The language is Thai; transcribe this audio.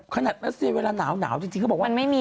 ขนาดรัชเซียเวลาหนาวจริงก็บอกว่า